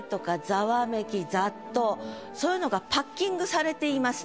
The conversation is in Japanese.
そういうのがパッキングされています